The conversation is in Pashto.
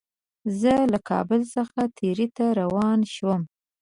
زه له کابل څخه تیراه ته روان شوم.